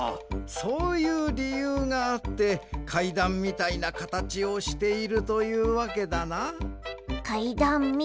そういうりゆうがあってかいだんみたいなかたちをしているというわけだな。